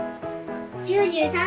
９３！